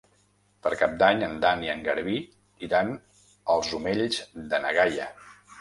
Per Cap d'Any en Dan i en Garbí iran als Omells de na Gaia.